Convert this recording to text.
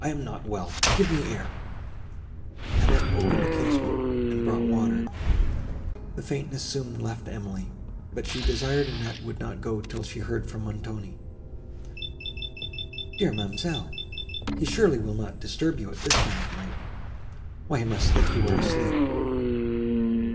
"I am not well; give me air." Annette opened a casement, and brought water. The faintness soon left Emily, but she desired Annette would not go till she heard from Montoni. "Dear ma'amselle! he surely will not disturb you at this time of night; why he must think you are asleep."